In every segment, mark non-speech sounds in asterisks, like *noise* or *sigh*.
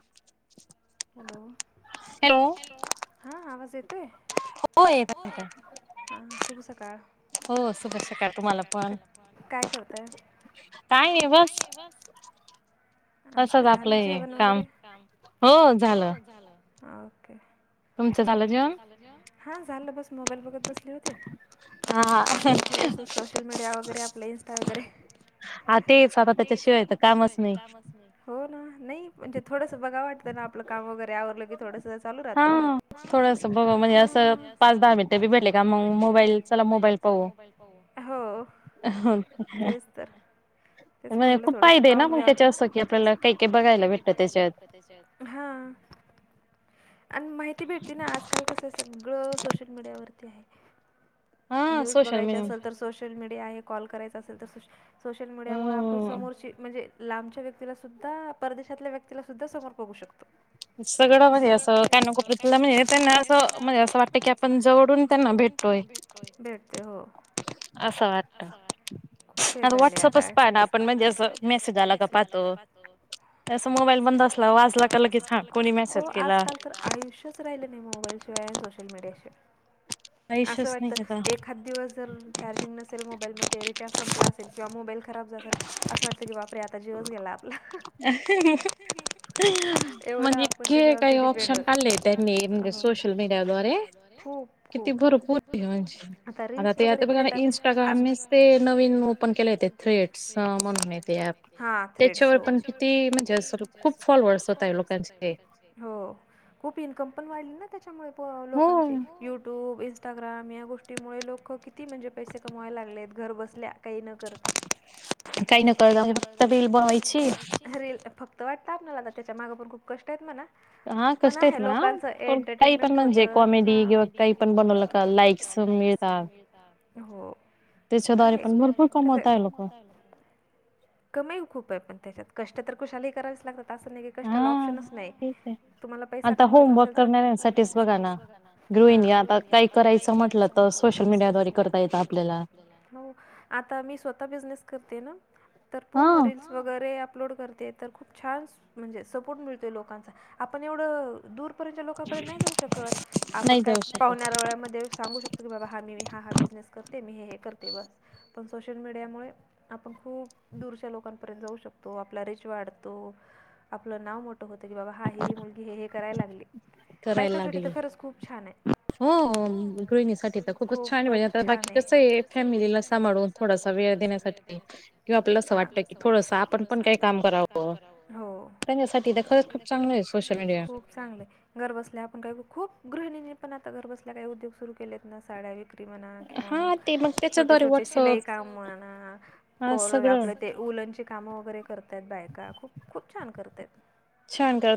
*unintelligible* Hello hello hello, हा आवाज येतोय, होय येतात, येतात सकाळ सकाळ तुम्हाला पण काय करताय काय नाही ब अ्छ झालं जेवण वगैरे, हो झालं ओके ग झालं जेवण, हा झालं बस मोबाईल बघत बसले होते, तर थोडस सोशल मीडिया वगैरे, आपला इं्स्टा वगैरे आ तेच आता त्याच्याशिवाय तर कामच नाही हो ना नाही म्हणजे थोडंसं बघा वाटतं ना आपलं काम वगैरे आवरलं की थोडं चालू राहतं, थोडस बघ म्हणजे असं पाच दहा मिनिटं बी भेटले का मग, बाल चला मोबाईल पाहू म्हज खूप फायदे, ना मग त्याच्या असं, की आपल्याला काही काही बघायला भेटतं त्याच्यात हा आणि माहिती भेटते, ना आजकाल कसं सगळं सोशल मीडियावरती आहे, न्यूज बघायची असेल तर सोशल मीडिया आहे कॉल करायचा असेल तर सो सोशल मीडियामुळे आपण समोरची म्हणजे लांबच्या व्यक्ती तीला सुद्धा परदेशातल्या व्यक्तीला सुद्धा समोर बघू शकतो. सगळं म्हणजे अस त्यांना कपतला म्हणजे त्यांना असं म्हजे असं वाटत की आपण जवडून त्यांना भेट होय भेटते हो असं वाटत आता व्हॉट्सअपच पाहा ना आपण म्हणजे असं मेसेज आला का पाहतो. तं मोबाईल बंद असला वाजला क ल की कोणी मेसेज केला. तर आयुष्यच राहिलं नाही मोबाईल शिवाय आणि सोशल मडियािवाय. आयुष्यात नाही राहि एक हात दिवस जर चार्जिंग नसेल मोबाईलमध्ये रिचार्ज संपला असेल किंवा मोबाईल खराब जा असेल असं वाटतं की बाप रे आता जीवच गेला. अ म्हणजे इतके काही ऑप्शन काढले त्यांनी म्हणजे सोशल मीडिया दवारे खूप हो आता रीलस वगैरे पण येतात आज नवीन ओपन थेड हा थ्रेड्स पण किती म्हणजे अस खूप फॉल वळसत आहेत लोकांचे. हो खूप इन्कम पण वाढली ना त्याच्यामुळे लोकांची युट्यूब इ इंस्टाग्राम या गोष्टीमुळे लोक किती म्हणजे पैसे कमावायला लागलेत घर बसल्या काही न करता काही न कळत फक् वे बनवायच. रिल बनवायची अरे फक्त वाटत आपल्याला आता त्याच्या मागा पण खूप कष्ट आहेत म्हणा पण आहे लोकांच एंटरटेनमेंट होत कॉमेडी काही पण बन ला सं हो त्याच्या दारीे पण भरपुर कमवताय लोक कमा खूप आहे पण त्याच्यात कष्ट तर कुशलाही करावेच लागतात असं नाही की कष्टाला ऑप्शनच नाही तुम्हाला पैसा कमवायचा असेल तर बघा काय यासाठीच बगा ना रोहिनी म्हट तर सोशल मीडियावारे करता येत आता मी स्वतः बिझनेस करते ना. तर पूर्ण रीलस वगैरे अपलोड करते तर खूप छान म्हणजे सपोर्ट मिळतोय लोकांचा आपण एवढ दूर लोर् नाही जाऊ शकत आपन काय पाहऱ्या वेळामध्ये सागू शकतो तर की बाबा हा मी हा हा बिझनेस करते मी हे हे करते बस पण सोशल मीडिया मु आपण खूप दूरच्या लोकां त जाऊ शकतो आपच वाढतो आपल नाव मोठ होतं क बा हा मुलगी हे हे क रा लागली बायकासाठी तर खरच खूप छान आहे हो गृहिणीसाठी तर खूपच छान आ्हे. म्हणजे आता बाकी कसं आहे फॅमिलीला सांभाळून. थोडासा वेळ देण्यासाठी किंवा आपल्याला असं वाटतं की थोडं थोडस आपण पण काही काम करावंसाठी खरच खूप चांगलं आहे. चांगलेय घर बसल्या आपण काय, खूप गृहिणीनी पण आता घर बसल्या काही उद्योग सुरू केलेत ना साड्या विक म्हणा किंवा म छोटे छोटे शिलाई काम म्हणा आप ते ऊलनची कामं वगैरे करतय आहेत बायका. खूप खूप छान करत आहेत.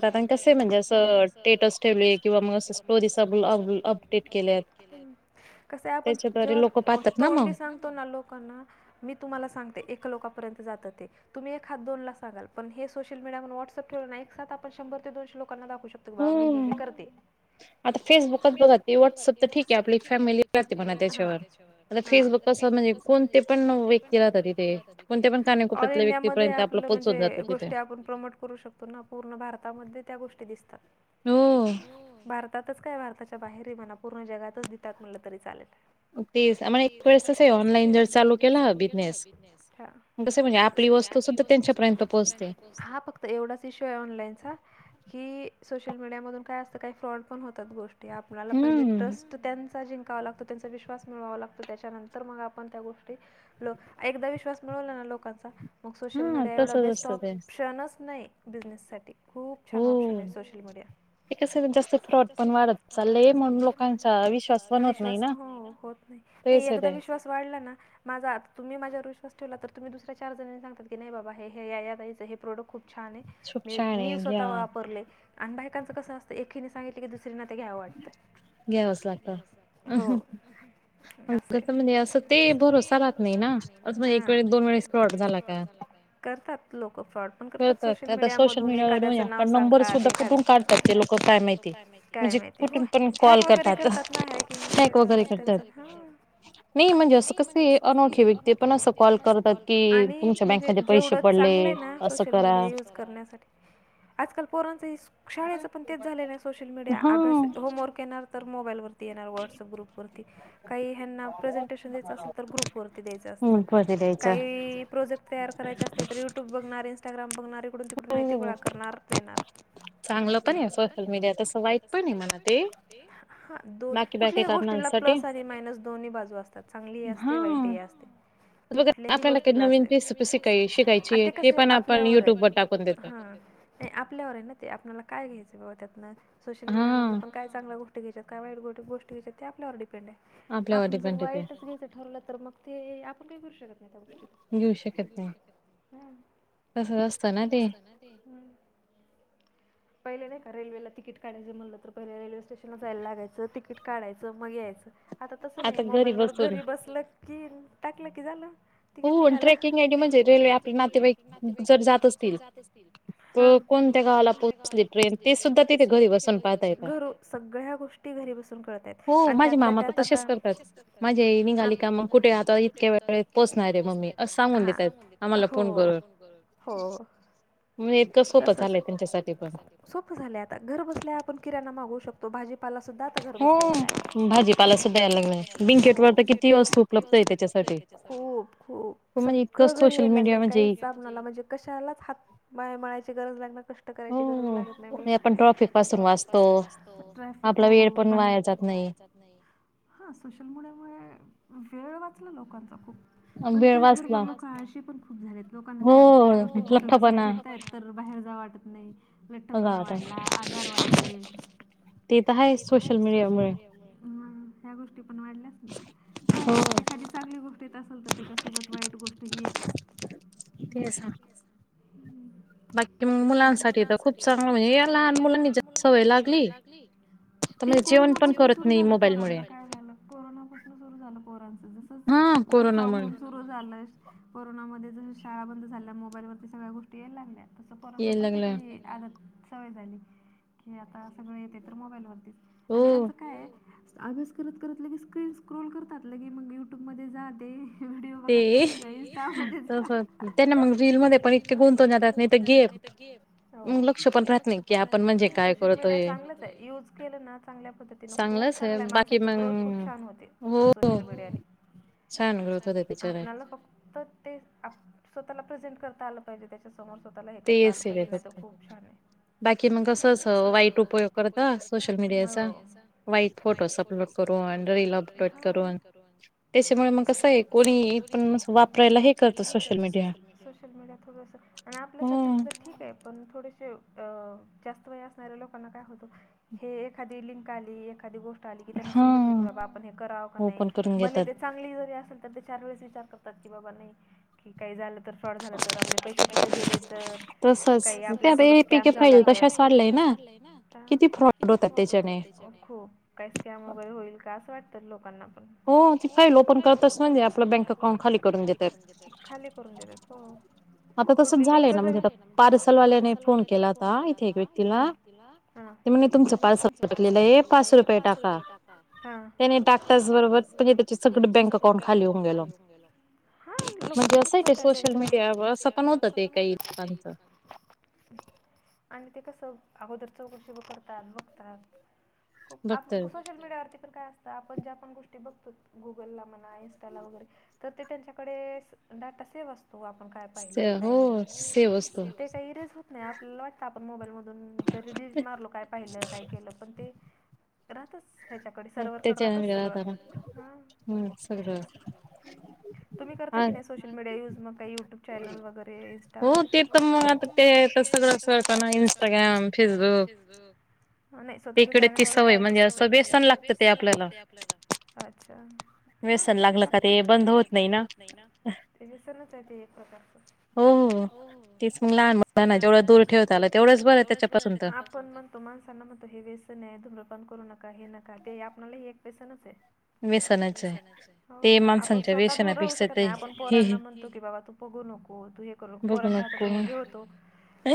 छान करतात. कसे म्हणजे असं स्टेटस ठेवले किंवा म असं केलय कसय आपण जेव्हा तोंडी सांगो लोकांना मी तुम्हाला सांगते. एका लोकापर्यंत जात ते. तुम् एक हात दोन ला सगाल प हे सोशलीडया व्हॉटसअप ठेव नाही एकातणंर ते दोनशे लोकांना दाखू शको तुवा मी हे हे करते. आता फेसबुकच बघा ते. व्हॉट्सअप तर ठीक आहे. आपली फॅमिली बी असते म्हणा त्याच्यावर. आता फेसबुक कंस म्हणजे कोणते पण व्यक्ती राहतात तिथे. कोणते पण काणीकोपरतल्या व्यक्ती पर्यंत आपलं पोचून जातं तिथे. प्रमोट करू शकतो ना. पूर्ण भारतामध्ये त्या गोष्टी दिसतात. आता काय भारताच्या बाहेर मणा पूर्ण जगातच देतात म्हटलं तरी चालेल. तेच. मला एक वेळेस चे. हे ऑनलाईन जर चालू केलं बिझनेस. कस म्हणजे आपली वस्तू आपली वस्तू सुद्धा त्यांच्यापर्यंत पोहोचतेस. हा फक्त एवढाच इश्यू आहे ऑनलाईनचा. की, सोशल मीडियामधून काय असतं काही फ्रॉड पण होतात गोष्ट ते आपल्याला पहिले ट्रस्ट त्यांचा जिं जिंकावा लागतो. त्यांचा विश्वास मिळवा लागतो. त्याच्यानंतर मग आपण त्या गोष्टी. लो एकदा विश्वास मिळवला ना लोकांचा. मग सोशल मीडिया एवढा बेस्ट ऑप्शनंच नाही बिझनेससाठी. खूप छान ऑप्शन आहे सोशल मीडिया. जास्त फ्रॉड पण वाढत चालंय म्हणून लोकांचा विश्वास हो होत नाही. एकदा विश्वास वाढला ना. माझा तुम्ही माझ्यावर विश्वास ठेवला तर तुम्ही दुसऱ्या चार जणांनी सांग की नाही बाबा. हे या या ताईचे हे प्रोडक्ट खूप छान आहे मी मी स्वतः वापरले. आणि बाईकांचं कस असतं एकीने सांगितलं की दुसरींना ते घ्यावं वाटतं. घ्यावच लागत. अहं. सं म्हणजे असं ते भरोसा रात नाही ना? असं म्हणजे एक वे दोन वेळी स्क्रॉट झाला. ते तर. आता सोशल मीडिया व नंबर सुद्धा कुठून काढ ते लोक काय माहिती आहे. म्हणजे कुठून पण कॉल करतात हॅक वगैरे करतात. नाही म्हणजे असं कसय? अनोळखी व्यक्ती पण असं कॉल करतात. की आणि म्हणजे जेवढं चांगलं आहे ना, सोशल मीडिया यूज करण्यासाठी. आजकाल पोरांचं शाळेचं पण तेच झाले ना सोशल मीडिया अभ्यास होमवर्क येणार तर मोबाईलवर येणार व्हॉट्सअप ग्रुप वरती काही ह्यांना प्रेझेंटेशन द्यायं असेल तर ग्रुपवरती द्यायचं असतं. काही प्रोजेक्ट तयार करायचे असतील तर युट्यूब बघणार, इंस्टाग्राम बघणार. इकडून तिकडून माहिती गोळा करणार देणार. चांगलं पण आहे. सोशल मीडिया तसं वाईट पण ते. हा दोन कुठल्याही गोष्टीला प्लस आणि मायनस दोन्ही बाजू असतात. चांगलीही असते वाईटही असते. कुठल्याही गोष्टीला असते. आ ते कसंय आहे. आपल्यावर आहे. हा नाही आपल्यावर आहे ना ते? आपल्याला काय घ्यायचं बबा त्यातन. सोशल मीडिमधलं पण काय चांगलं गोष्ट घ्यायच्या? काय वाईट गोष्टी घ्यायच्या आहेत? ते आपल्यावर डिपेंड आहे. आपण जर वाईटच घ्यायचं ठरवलं तर, मग ते आपण काही करू शकत नाही. घेऊ शकत नाही. तसंच असत ना ते. हम्म. पहिले नाही का? रेल्वेला तिकीट काढायचं म्हणलं तर, पहिले रेल्वे स्टेशनला जायला लागायचं तिकीट काढाचं मग यायचं. आता तसं नाही मोबाईलवर घरी बसलं की टाकलं की झालं. तिकीट निघालं ट्रेकिंग डी म्हणजे रेल्वे आपल्या नातेवाईक जर जात असतील. हा कोणत्या गावाला पोहोचली ट्रेन ते सुद्धा तिथे घरी बस घ सगळ्या गोष्टी. घरी बसून कळत आणि त्यातल्या त्यात *unintelligible* आता का कुठे की वेळेवर पोचणारे मम्मी. मग सांगून देता येते तुम्हाला फोन करून. म इतकं *unintelligible* त्यांच्यासाठी पण सोप झालय आता घर बसल्या आपण किराणा मागवू शकतो. तो भाजीपाला सुद्धा आता घर बसल्या यायला लागलाय हो भाजीपाला सुधा यायलागला कोणतीही वस्तू उपलब्ध आहे त्यात खूप, खूप सगळं घरी यायला लागलंय काही बणाला म्हणजे कशालाच हात बाय मळाची गरज लागणार कष्ट करायची गरज लागत नाही बस आपण ट्रॅफिक पासून वाचतो ट्रॉफिक हो वेळ पण वाया जात नाही हा सोशल मीडियामुळे वेळ वाचला लोकांचा खूप पण त्याचबरोबर लोक आळशी पण खूप झालेत लोकांना काय आता सगळ्या गोष्टी घर बसल्या भेटतायत तर बाहेर जाव वाटत नाही लठ्ठपणा वाढला आजार वाढले तेे तर आहेच सोशल मीडियामुळे ह ह्या गोष्टी पण वाढल्याच ना काय एखादी चांगली गोष्ट येत असेल तर त्याच्या सोबत वाईट गोष्ट ही येतेच *inaudible* हम्म बाकी मग मुलांसाठी तर खूप चांगलं म्हणजे या लहान मुलांनी जा सवय लागली ते कोरोनापासून सुरू झालं पोरांच काय झाल कोरोनापासून सुरू झालं पोरांचं हा कोरोनामुळे सुरु झालं कोरोनामध्ये जस शाळा बंद झाल्या मोबाईल वरती सगळ्या गोष्टी याय लागल्या तसं पोरांना पण त्याची आदत सवय झाली की आता सगळे येते तर मोबाईलवरतीच आणि त्याच काय अभ्यास करत, करत लगेच स्क्रीन स्क्रोल करतात लगे मग यूट्यूबमध्ये जा ते हे व्हिडिओ बघत बस इन्टा मध्ये मग रील मध्ये पण इतके गुंतव जात नाही तर गेम सोशल मीडिया चांगलंच आहे युज केलं ना चांगल्या पद्धतीने खूप चांगल्या आहे माणसाची ग्रोथ खूप छान होते सोशल मीडियाने छान गत होते बिचार फक्त ते स्वतःला प्रेझेंट करता आल पा पाहिजे त्याच्या समोर स्वतःला हे करत आल पाहिजे खूप छान आहे बाकी मग कस अस वाईट उपयोग करता सोशल मीडियाचा वाईट फोटोस अपलोड करून रीलील अपलोड करून त्याच्यामुळे त्याच्यामुळे मग कसं आहे कोणी पण वापरायला हे करतं सोशल मीडिया, सोशल मीडिया थोडस आणि आपल्या सारख्याच तर ठीक आहे पण थोडेसे अ जास्त वय असणाऱ्या लोकांना काय होतं हे एखादी लिंक आली एखादी गोष्ट त्यांना समजत नाही बाबा आपण हे कराव की नाही भले चांगली असे तर चार वेळेस विचार करतात की बाबा नाही की काही झालं फ्रॉड झाला तर आपले पैसे कुठ गेले तर का आपल्यासोबत स्कॅम झाला तर किती फ्रॉड होतात त्या खूप काय स्कॅम वगैरे होईल का असं वाटतं लोकांना हो ती फाल ओपन करतच म्हणजे आपलं बँक अकाउंट खाली करून देत्यात खाली करून देतात हो आता तसंच झालंय ना म्हणजे आता पार्सलवाल्याने फोन केला होता इथे एक व्यक्तीला ला हा ते म्हणे तुमचं पार्सल पोचलेलं हे पाचशे रुपये टाका त्याने टाकताच बरोबर बरोबर *unintelligible* हा लोक तसंच करतायत एकदम तसं नव्हतं ते काही फारसं आणि ते कस अगोदर चौकशी व करतात, बघतात आप सोशल मीडियावर पण काय असतं आपण ज्या पण गोष्टी बघतो गुगल ला म्हणा इन्स्टाला वगैरे तर ते त्यांच्याकडे डाटा सेव्ह असतो व आपण काय पाहिलं. काय नाही. *unintelligible* होत नाही आपल्याला वाटत. आपण मोबाईल मधून जरी डिलीट मारलो काय पाहिलं? काय केलं? पण ते राहतच त्याच्याकडे. सरोवरकडे राहतच सगळं. ह. हम्म सग तुम्ही करता की नाही सोशल मीडिया युज? मग काही युट्यूब चॅनल वगैरे? इंस्टा वगैरे? हो ते त मग आता ते तस कळत ना इंस्टाग्राम फेसबुक. नाही स्वतःच चॅनल वगैरे आहे का तुमच? अच्छा. हा ते त लागतच. व्यसन लागलं का ते बंद होत नाही ना. वेसनचे ते एक प्रकारच. हो हो तेच म लहान मुलांना जेवढं दूर ठेवत आलं तेवढंच बरं त्याच्यापासून तर आपण म्हणतो. माणसांना म्हणतो, हे व्यसन आहे, धुम्रपान करू नका. हे नका. ते आपला हे एक व्यसनचे. वेस व्यसनचे हो, आपण स्वतः दूर राहू शकत नाही. आपण पोरांना म्हणतो की बाबा तू बघू नको. तू हे करू नको. पोरांच्या हातातून उ घे होतो.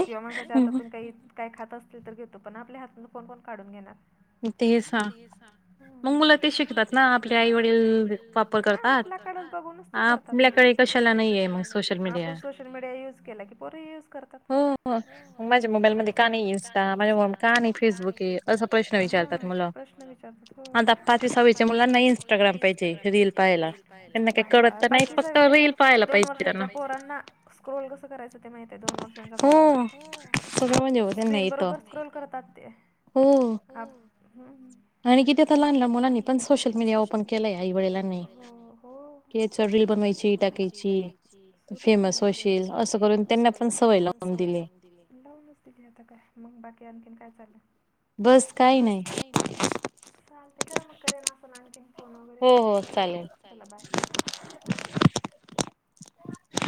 किंवा माणसाच्या हातातून काही काय खात असतील तर घेतो. पण आपल्या हातातन फोण कोण काढून घेणार. ते सां, म मुलं ते शिकतात ना आपल्या आपल्या आई वडील, हा आपल्याक बघूनच ते करतात ना. आपल्याकडे कशाला नाहीे. मडीया युज केला की, पोरं युज करतात. हम्म माझ्या मोबाईल मध्ये कहाणी माझ मम का नाही फेसबुके अस ह, प्रश्न प्रश्न विचारतात. प्रश्न विचारतात हो. आता पाचवी सहावी अताच्या मुलानाही इंस्टाग्राम पाहिजे. रील पाहायला. पाचवी सहावी च्या काय, दोन वर्षांच्या पोरांना स्क्रोल कसं करायचं ते माहिते दोन वर्षांच्या पोरांना. स्क्रीन बरोबर स्क्रोल करतात. ते. हो. आप आणि किती आता लाहान लाहान मुलांनी पण सोशल पण सोशल मीडिया ओपन केलाय. हो हो. *unintelligible* रील बनवायची टाकायची. सुरूचे आता. फेमस होशील असं करून त्यांना पण सवय लावून दिली. लावूनच दीली आता काय, मग बाकी आणखीन काय चाललं? बस काही नाही. चालते. करा मग, करेन अस आणखीन फोन वगैरे. हो हो चालेल. चला बाय. *inaudible*